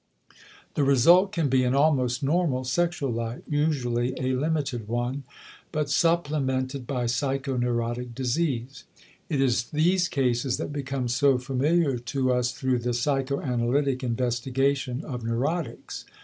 The result can be an almost normal sexual life usually a limited one but supplemented by psychoneurotic disease. It is these cases that become so familiar to us through the psychoanalytic investigation of neurotics.